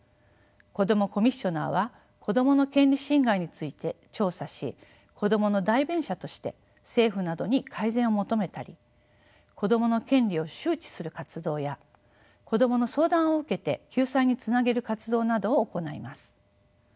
子どもコミッショナーは子どもの権利侵害について調査し子どもの代弁者として政府などに改善を求めたり子どもの権利を周知する活動や子どもの相談を受けて救済につなげる活動などを行います。